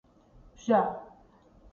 ბჟა